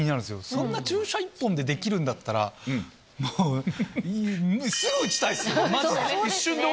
そんな注射１本でできるんだったら、もう、すぐ打ちたいです、まじで。